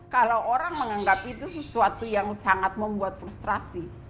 kalau orang menganggap itu sesuatu yang sangat membuat frustrasi